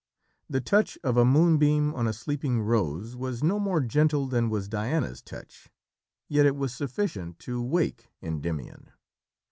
The touch of a moonbeam on a sleeping rose was no more gentle than was Diana's touch, yet it was sufficient to wake Endymion.